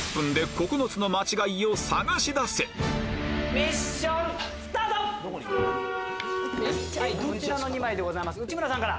こちらの２枚です内村さんから。